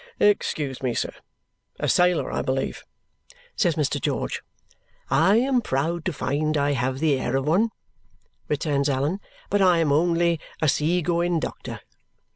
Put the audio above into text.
"Excuse me, sir. A sailor, I believe?" says Mr. George. "I am proud to find I have the air of one," returns Allan; "but I am only a sea going doctor."